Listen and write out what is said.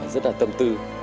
rất là tâm tư